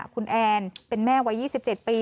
คุณแอนเป็นแม่วัย๒๗ปี